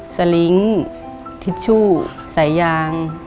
สลิงค์ทิชชู่สายยาง